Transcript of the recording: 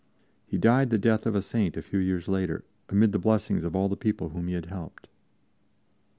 He died the death of a saint a few years later, amid the blessings of all the people whom he had helped.